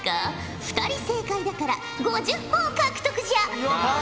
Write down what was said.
２人正解だから５０ほぉ獲得じゃ。